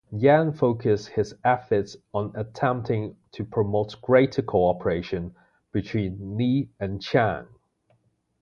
Yan focused his efforts on attempting to promote greater cooperation between Li and Chiang.